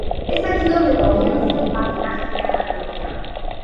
Es ahí donde comienza el patinaje a la gloria.